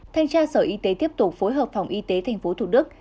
thanh tra sở y tế tiếp tục phối hợp phòng y tế tp thủ đức